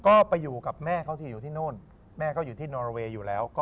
ก็ไปอยู่กับแม่เขาสิอยู่ที่โน่นแม่ก็อยู่ที่นอรเวย์อยู่แล้วก็